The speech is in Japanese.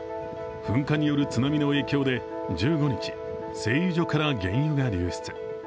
噴火による津波の影響で１５日、製油所から原油が流出。